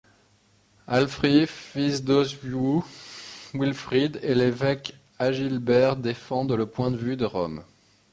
Alhfrith, fils d’Oswiu, Wilfrid, et l’évêque Agilbert défendent le point de vue de Rome.